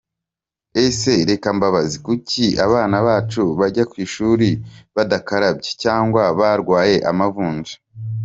Ese reka mbabaze Kuki abana bacu bajya ku ishuri badakarabye cyangwa barwaye amavunja?”.